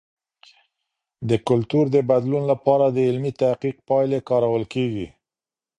د کلتور د بدلون لپاره د علمي تحقیق پایلې کارول کیږي.